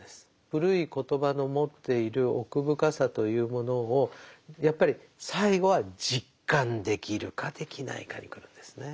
古い言葉の持っている奥深さというものをやっぱり最後は実感できるかできないかにくるんですね。